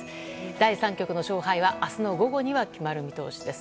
第３局の勝敗は明日の午後には決まる見通しです。